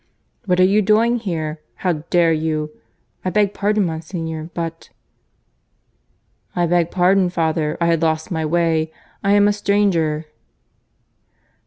"What are you doing here? How dare you I beg pardon, Monsignor, but " "I beg pardon, father; I had lost my way. ... I am a stranger."